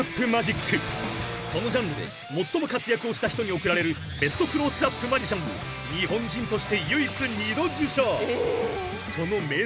［そのジャンルで最も活躍をした人に贈られるベスト・クロースアップ・マジシャンを日本人として唯一二度受賞］